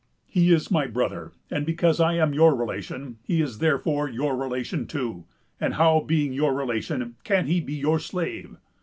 "He is my brother; and because I am your relation, he is therefore your relation too; and how, being your relation, can he be your slave?